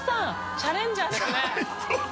チャレンジャーですね。